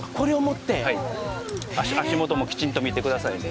足元もきちんと見てくださいね。